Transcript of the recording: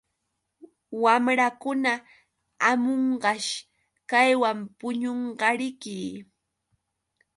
Wamrankuna hamunqash kaywan puñunqariki.